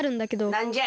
なんじゃい？